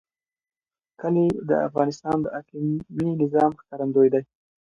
کلي د افغانستان د اقلیمي نظام ښکارندوی ده.